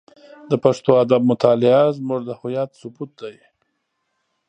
د پښتو ادب مطالعه زموږ د هویت ثبوت دی.